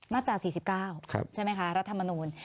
มาตรา๔๙ใช่ไหมคะรัฐมนูล